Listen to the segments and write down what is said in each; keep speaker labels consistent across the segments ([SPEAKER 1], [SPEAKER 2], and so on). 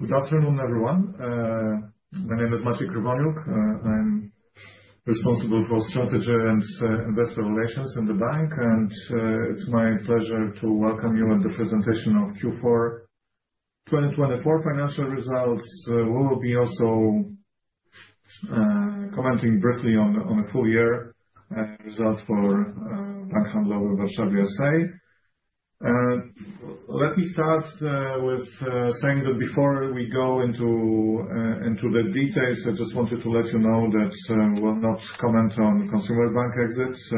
[SPEAKER 1] Good afternoon, everyone. My name is Maciej Krywoniuk. I'm responsible for Strategy and Investor Relations in the bank, and it's my pleasure to welcome you at the presentation of Q4 2024 financial results. We will be also commenting briefly on the full-year results for Bank Handlowy w Warszawie S.A. Let me start with saying that before we go into the details, I just wanted to let you know that we will not comment on consumer bank exits,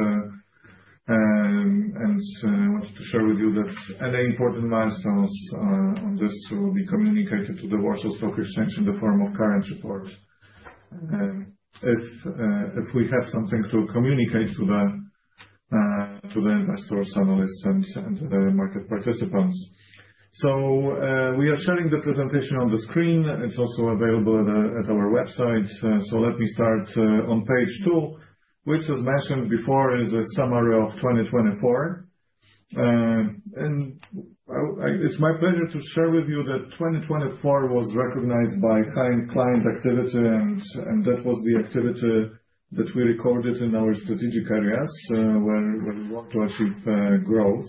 [SPEAKER 1] and I wanted to share with you that any important milestones on this will be communicated to the Warsaw Stock Exchange in the form of current report, if we have something to communicate to the investors, analysts, and market participants. We are sharing the presentation on the screen. It's also available at our website. Let me start on page two, which, as mentioned before, is a summary of 2024. It is my pleasure to share with you that 2024 was recognized by high client activity, and that was the activity that we recorded in our strategic areas where we want to achieve growth.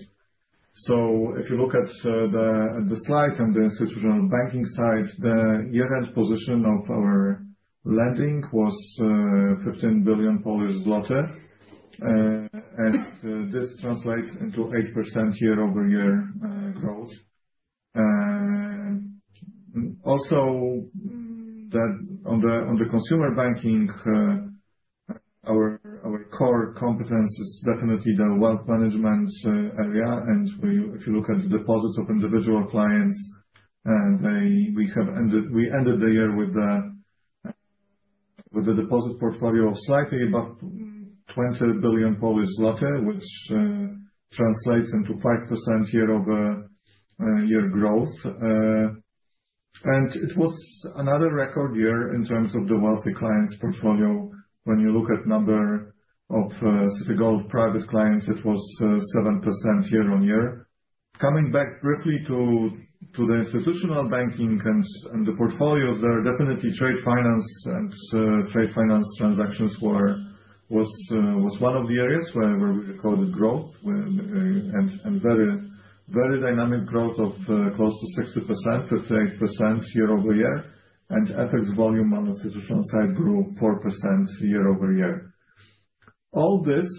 [SPEAKER 1] If you look at the slide on the institutional banking side, the year-end position of our lending was 15 billion Polish zloty, and this translates into 8% year-over-year growth. Also, on the consumer banking, our core competence is definitely the wealth management area. If you look at the deposits of individual clients, we ended the year with a deposit portfolio of slightly above 20 billion Polish zloty, which translates into 5% year-over-year growth. It was another record year in terms of the wealthy clients' portfolio. When you look at the number of Citigold private clients, it was 7% year-on-year. Coming back briefly to the institutional banking and the portfolios, there are definitely trade finance, and trade finance transactions was one of the areas where we recorded growth and very dynamic growth of close to 60%, 58% year-over-year. FX volume on the institutional side grew 4% year-over-year. All this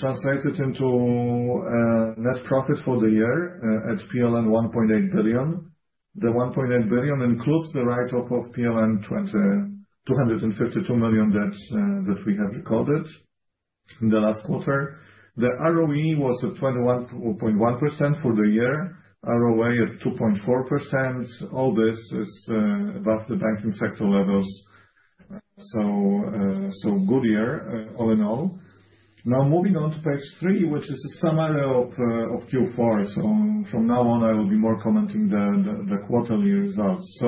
[SPEAKER 1] translated into net profit for the year at PLN 1.8 billion. The 1.8 billion includes the write-up of 252 million debt that we have recorded in the last quarter. The ROE was at 21.1% for the year, ROA at 2.4%. All this is above the banking sector levels. Good year all in all. Now, moving on to page three, which is a summary of Q4. From now on, I will be more commenting on the quarterly results.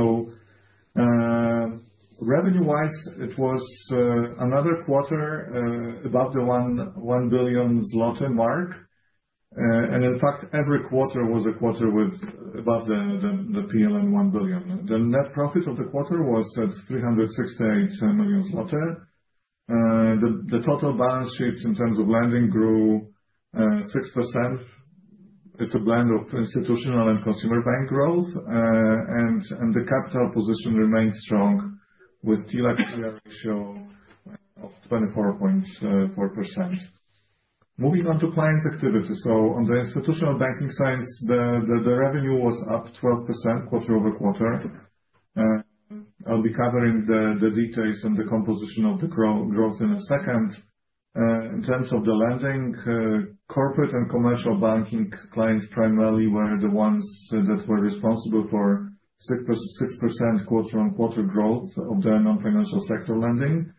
[SPEAKER 1] Revenue-wise, it was another quarter above the 1 billion zloty mark. In fact, every quarter was a quarter above the PLN 1 billion. The net profit of the quarter was at 368 million zloty. The total balance sheet in terms of lending grew 6%. It is a blend of institutional and consumer bank growth, and the capital position remained strong with TLAC TREA ratio of 24.4%. Moving on to clients' activity. On the institutional banking side, the revenue was up 12% quarter-over-quarter. I'll be covering the details on the composition of the growth in a second. In terms of the lending, corporate and commercial banking clients primarily were the ones that were responsible for 6% quarter-on-quarter growth of the non-financial sector lending.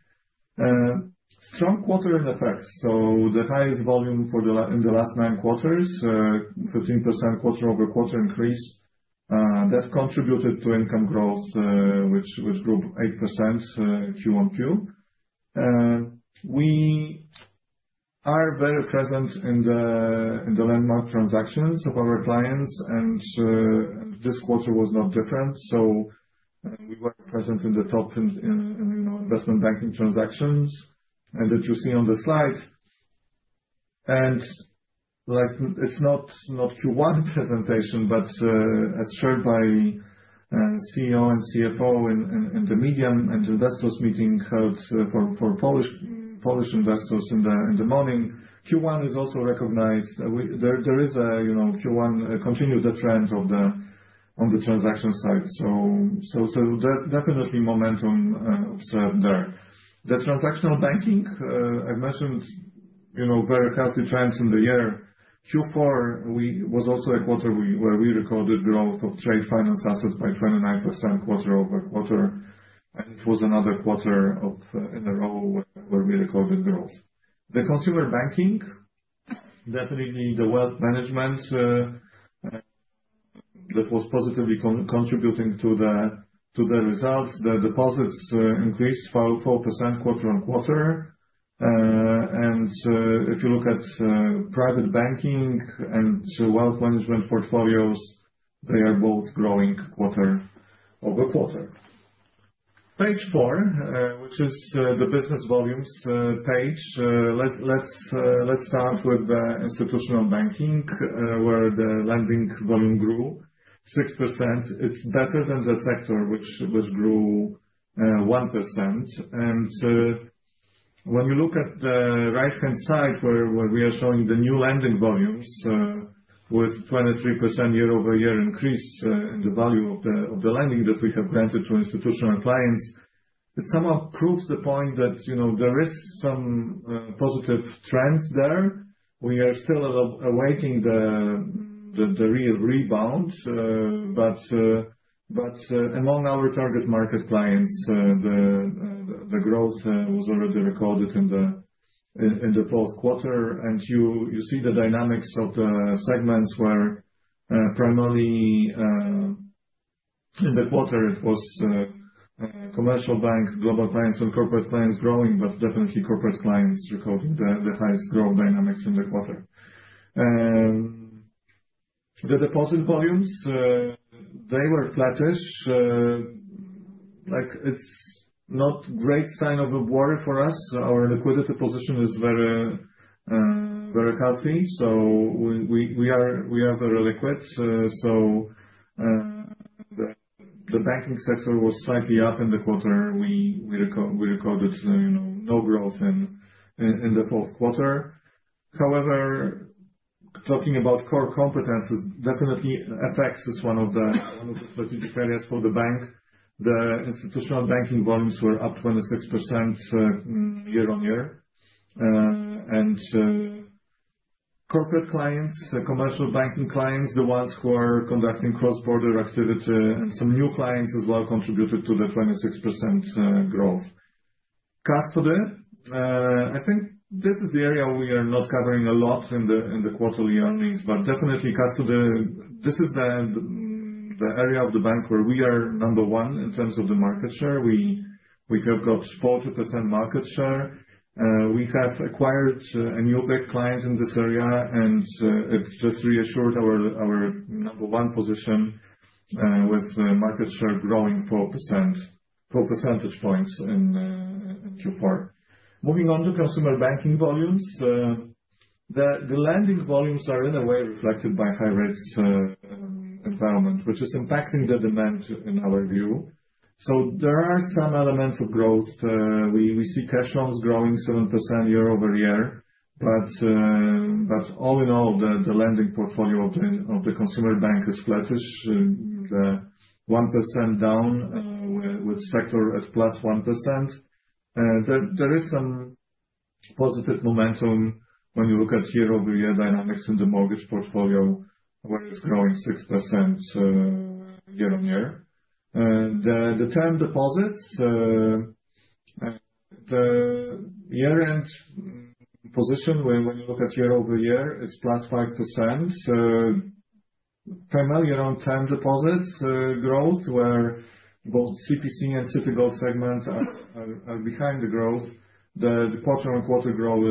[SPEAKER 1] Strong quarter in effect. The highest volume in the last nine quarters, 15% quarter-over-quarter increase, that contributed to income growth, which grew 8% QoQ. We are very present in the landmark transactions of our clients, and this quarter was no different. We were present in the top investment banking transactions that you see on the slide. It is not Q1 presentation, but as shared by CEO and CFO in the medium and investors meeting held for Polish investors in the morning, Q1 is also recognized. There is a Q1 continued trend on the transaction side. Definitely momentum observed there. The transactional banking, I have mentioned very healthy trends in the year. Q4 was also a quarter where we recorded growth of trade finance assets by 29% quarter-over-quarter. It was another quarter in a row where we recorded growth. The consumer banking, definitely the wealth management, that was positively contributing to the results. The deposits increased 4% quarter on quarter. If you look at private banking and wealth management portfolios, they are both growing quarter-over-quarter. Page four, which is the business volumes page, let's start with the institutional banking where the lending volume grew 6%. It's better than the sector, which grew 1%. When you look at the right-hand side where we are showing the new lending volumes with 23% year-over-year increase in the value of the lending that we have granted to institutional clients, it somehow proves the point that there are some positive trends there. We are still awaiting the real rebound, but among our target market clients, the growth was already recorded in the fourth quarter. You see the dynamics of the segments where primarily in the quarter, it was commercial bank, global clients, and corporate clients growing, but definitely corporate clients recorded the highest growth dynamics in the quarter. The deposit volumes, they were flattish. It's not a great sign of a worry for us. Our liquidity position is very healthy. We are very liquid. The banking sector was slightly up in the quarter. We recorded no growth in the fourth quarter. However, talking about core competencies, definitely FX is one of the strategic areas for the bank. The institutional banking volumes were up 26% year-on-year. Corporate clients, commercial banking clients, the ones who are conducting cross-border activity and some new clients as well contributed to the 26% growth. Custody, I think this is the area we are not covering a lot in the quarterly earnings, but definitely custody, this is the area of the bank where we are number one in terms of the market share. We have got 40% market share. We have acquired a new big client in this area, and it just reassured our number one position with market share growing 4 percentage points in Q4. Moving on to consumer banking volumes, the lending volumes are in a way reflected by high rates environment, which is impacting the demand in our view. There are some elements of growth. We see cash loans growing 7% year-over-year. All in all, the lending portfolio of the consumer bank is flattish, 1% down with sector at +1%. There is some positive momentum when you look at year-over-year dynamics in the mortgage portfolio, where it's growing 6% year-on-year. The term deposits, the year-end position, when you look at year-over-year, it's +5%. Primarily around term deposits growth, where both CPC and Citigold segment are behind the growth. The quarter-on-quarter growth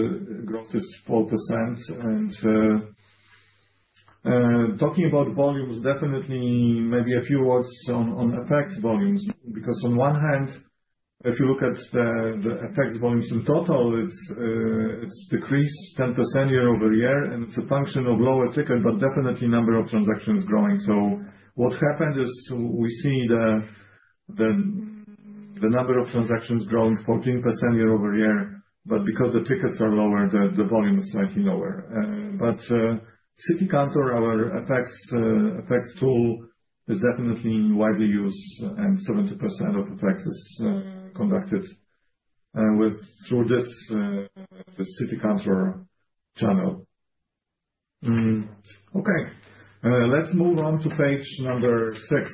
[SPEAKER 1] is 4%. Talking about volumes, definitely maybe a few words on FX volumes, because on one hand, if you look at the FX volumes in total, it's decreased 10% year-over-year, and it's a function of lower ticket, but definitely number of transactions growing. What happened is we see the number of transactions growing 14% year-over-year, but because the tickets are lower, the volume is slightly lower. Citi Kantor, our FX tool, is definitely widely used, and 70% of FX is conducted through this Citi Kantor channel. Okay. Let's move on to page number six.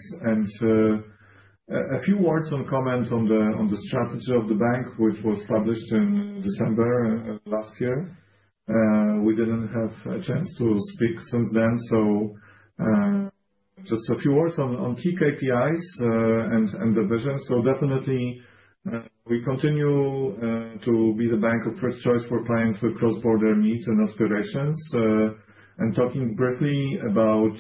[SPEAKER 1] A few words on comment on the strategy of the bank, which was published in December last year. We didn't have a chance to speak since then. Just a few words on key KPIs and the vision. We definitely continue to be the bank of first choice for clients with cross-border needs and aspirations. Talking briefly about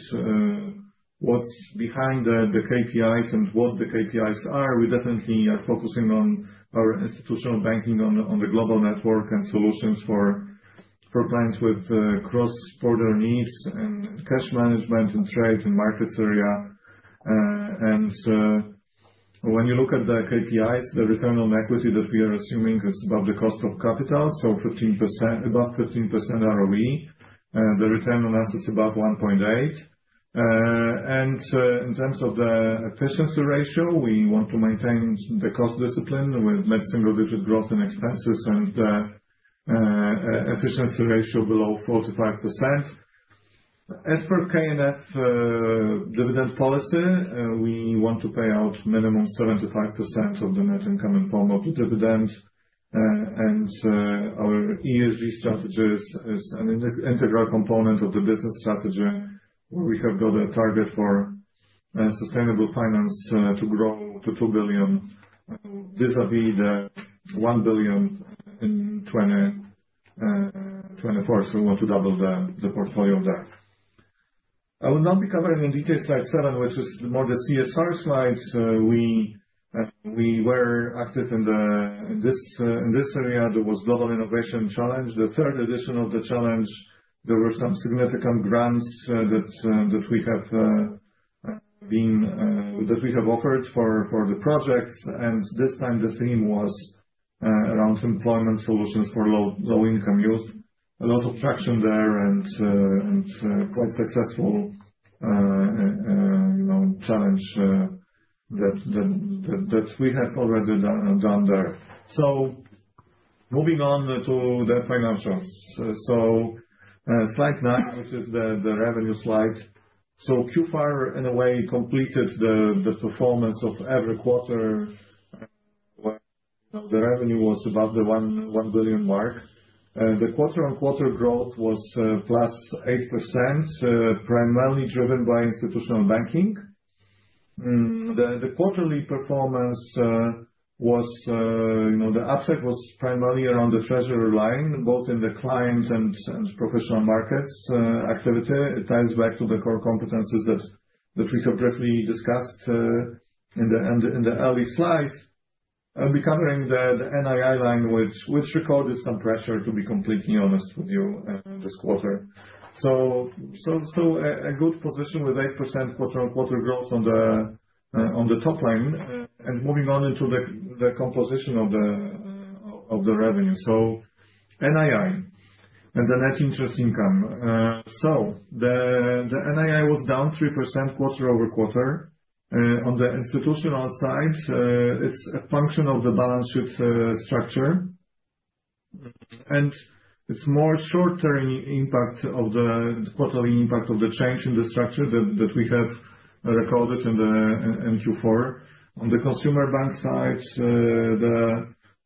[SPEAKER 1] what's behind the KPIs and what the KPIs are, we definitely are focusing on our institutional banking on the global network and solutions for clients with cross-border needs and cash management and trade and markets area. When you look at the KPIs, the return on equity that we are assuming is above the cost of capital, so above 15% ROE. The return on assets is above 1.8%. In terms of the efficiency ratio, we want to maintain the cost discipline with net single-digit growth in expenses and efficiency ratio below 45%. As per KNF dividend policy, we want to pay out minimum 75% of the net income in form of the dividend. Our ESG strategy is an integral component of the business strategy where we have got a target for sustainable finance to grow to 2 billion vis-à-vis the 1 billion in 2024. We want to double the portfolio there. I will not be covering in detail slide seven, which is more the CSR slides. We were active in this area. There was a global innovation challenge. The third edition of the challenge, there were some significant grants that we have offered for the projects. This time, the theme was around employment solutions for low-income youth. A lot of traction there and quite successful challenge that we have already done there. Moving on to the financials. Slide nine, which is the revenue slide. Q4, in a way, completed the performance of every quarter where the revenue was above the 1 billion mark. The quarter-on-quarter growth was +8%, primarily driven by institutional banking. The quarterly performance was the upside was primarily around the treasury line, both in the client and professional markets activity. It ties back to the core competencies that we have briefly discussed in the early slides. I'll be covering the NII line, which recorded some pressure, to be completely honest with you, this quarter. A good position with 8% quarter-on-quarter growth on the top line. Moving on into the composition of the revenue. NII and the net interest income. The NII was down 3% quarter-over-quarter. On the institutional side, it's a function of the balance sheet structure. It's more short-term impact of the quarterly impact of the change in the structure that we have recorded in Q4. On the consumer bank side,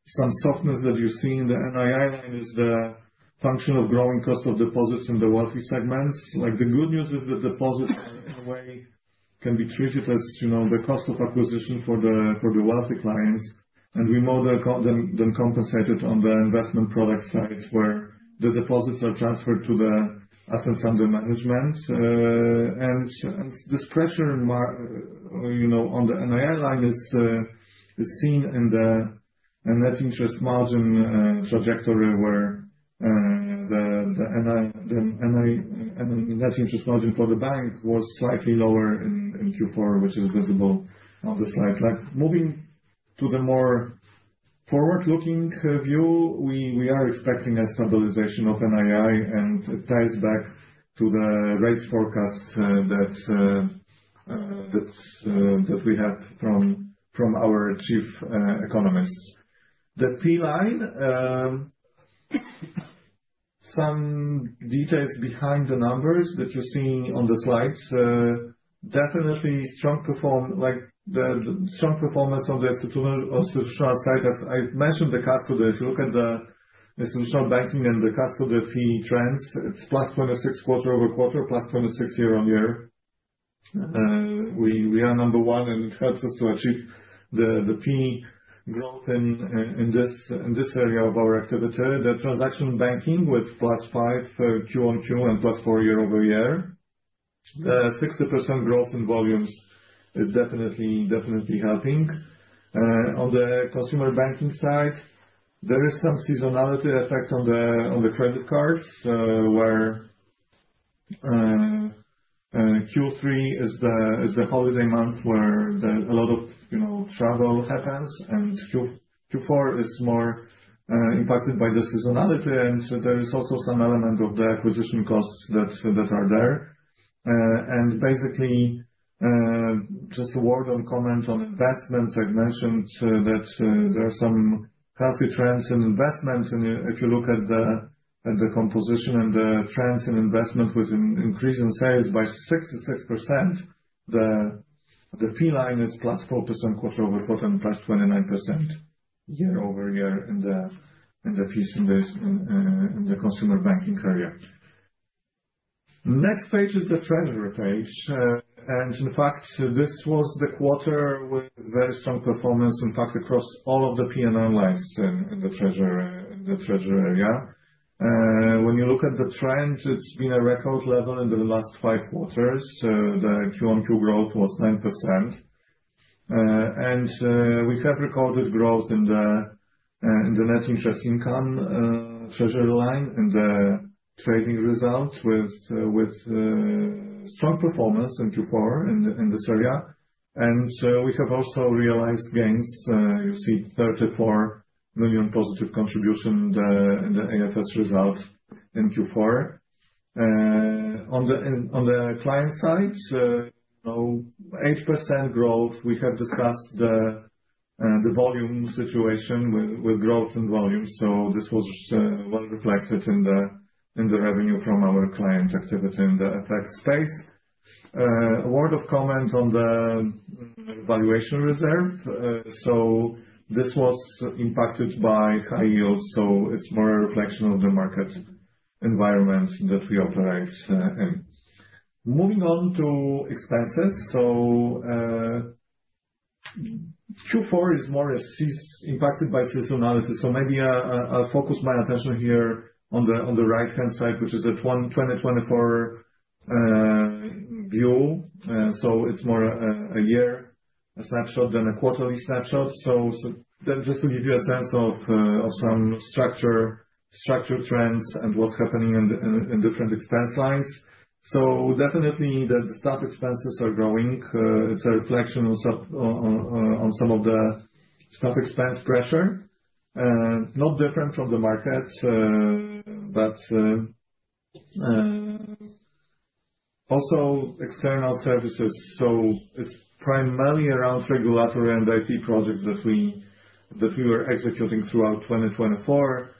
[SPEAKER 1] some softness that you see in the NII line is the function of growing cost of deposits in the wealthy segments. The good news is that deposits, in a way, can be treated as the cost of acquisition for the wealthy clients. We more than compensate it on the investment product side where the deposits are transferred to the assets under management. This pressure on the NII line is seen in the net interest margin trajectory where the net interest margin for the bank was slightly lower in Q4, which is visible on the slide. Moving to the more forward-looking view, we are expecting a stabilization of NII, and it ties back to the rates forecast that we have from our chief economists. The Fee line, some details behind the numbers that you're seeing on the slides, definitely strong performance on the institutional side. I've mentioned the custody. If you look at the institutional banking and the custody fee trends, it's +26% quarter-over-quarter, +26% year-on-year. We are number one, and it helps us to achieve the Fee growth in this area of our activity. The transaction banking with +5% QoQ and +4% year-over-year. 60% growth in volumes is definitely helping. On the consumer banking side, there is some seasonality effect on the credit cards where Q3 is the holiday month where a lot of travel happens. Q4 is more impacted by the seasonality. There is also some element of the acquisition costs that are there. Basically, just a word on comment on investments. I've mentioned that there are some healthy trends in investment. If you look at the composition and the trends in investment with an increase in sales by 66%, the Fee line is +4% quarter-over-quarter and +29% year-over-year in the fees in the consumer banking career. The next page is the treasury page. In fact, this was the quarter with very strong performance, in fact, across all of the P&L lines in the treasury area. When you look at the trend, it has been a record level in the last five quarters. The QoQ growth was 9%. We have recorded growth in the net interest income treasury line in the trading result with strong performance in Q4 in this area. We have also realized gains. You see 34 million positive contribution in the AFS result in Q4. On the client side, 8% growth. We have discussed the volume situation with growth and volume. This was well reflected in the revenue from our client activity in the FX space. A word of comment on the valuation reserve. This was impacted by high yields. It is more a reflection of the market environment that we operate in. Moving on to expenses. Q4 is more impacted by seasonality. Maybe I'll focus my attention here on the right-hand side, which is a 2024 view. It is more a year snapshot than a quarterly snapshot. Just to give you a sense of some structure trends and what is happening in different expense lines. Definitely, the staff expenses are growing. It is a reflection on some of the staff expense pressure. Not different from the market, but also external services. It is primarily around regulatory and IT projects that we were executing throughout 2024.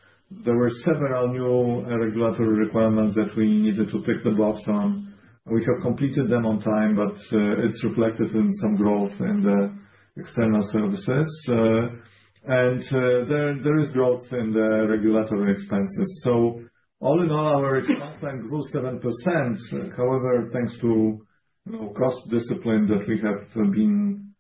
[SPEAKER 1] There were several new regulatory requirements that we needed to tick the box on. We have completed them on time, but it's reflected in some growth in the external services. There is growth in the regulatory expenses. All in all, our expense line grew 7%. However, thanks to cost discipline that we have been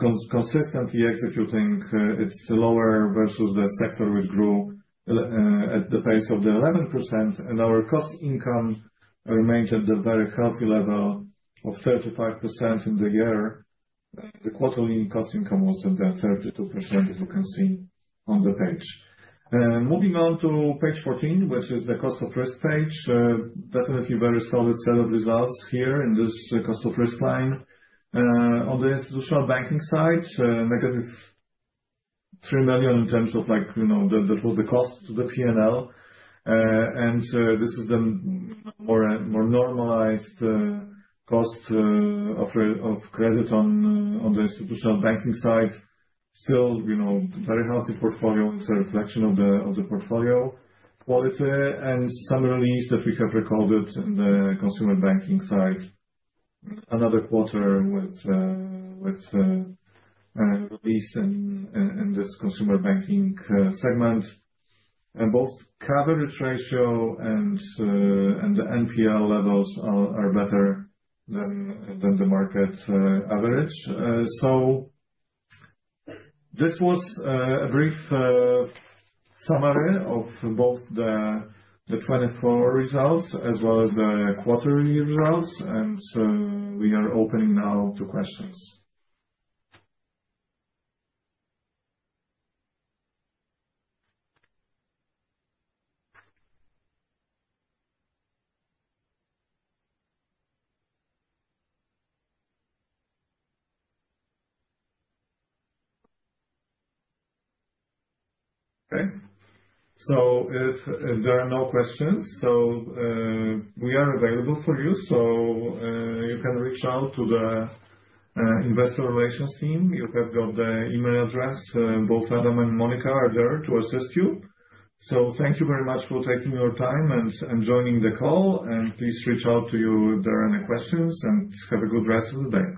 [SPEAKER 1] consistently executing, it's lower versus the sector which grew at the pace of 11%. Our cost income remained at the very healthy level of 35% in the year. The quarterly cost income was at that 32%, as you can see on the page. Moving on to page 14, which is the cost of risk page. Definitely very solid set of results here in this cost of risk line. On the institutional banking side, -3 million in terms of that was the cost to the P&L. This is the more normalized cost of credit on the institutional banking side. Still, very healthy portfolio. It's a reflection of the portfolio quality and some release that we have recorded in the consumer banking side. Another quarter with release in this consumer banking segment. Both coverage ratio and the NPL levels are better than the market average. This was a brief summary of both the 2024 results as well as the quarterly results. We are opening now to questions. Okay. If there are no questions, we are available for you. You can reach out to the investor relations team. You have got the email address. Both Adam and Monika are there to assist you. Thank you very much for taking your time and joining the call. Please reach out to us if there are any questions. Have a good rest of the day.